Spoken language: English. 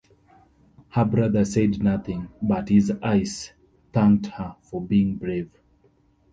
Her brother said nothing, but his eyes thanked her for being brave.